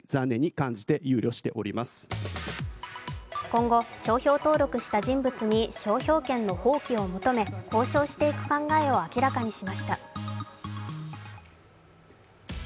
今後、商標登録した人物に商標権の放棄を求め交渉していく考えを明らかにしました。